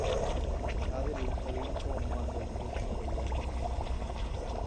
তাহাদের অধিকাংশ উন্মাদরোগগ্রস্ত হইয়া মৃত্যুমুখে পতিত হয়।